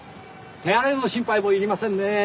手荒れの心配もいりませんねぇ。